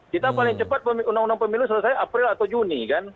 kita paling cepat undang undang pemilu selesai april atau juni kan